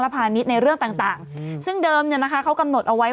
พาณิชย์ในเรื่องต่างซึ่งเดิมเนี่ยนะคะเขากำหนดเอาไว้